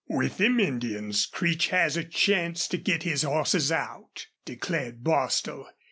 "With them Indians Creech has a chance to get his hosses out," declared Bostil.